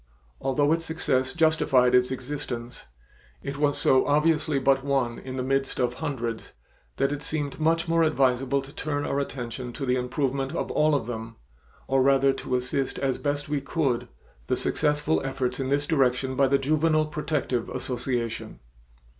Although its success justified its existence, it was so obviously but one in the midst of hundreds that it seemed much more advisable to turn our attention to the improvement of all of them or rather to assist as best we could, the successful efforts in this direction by the Juvenile Protective Association.